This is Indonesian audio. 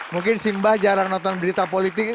mungkin simbah jarang nonton berita politik